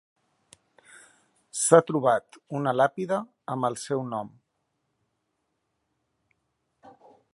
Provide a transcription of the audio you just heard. S'ha trobat una làpida amb el seu nom.